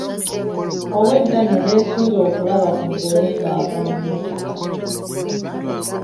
Obwedda nno neesunze okulaba ku mugole ng'ava mu mmotoka.